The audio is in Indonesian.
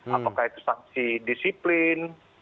apakah itu sanksi disiplin